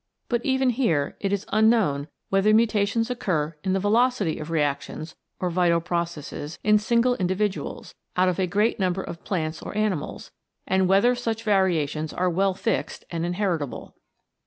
But even here it is unknown whether mutations occur in the velocity of reactions or vital processes in single individuals, out of a great number of plants or animals, and whether such variations are well fixed and inheritable.